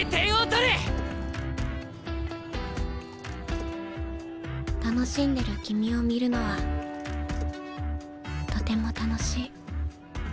心の声楽しんでる君を見るのはとても楽しい。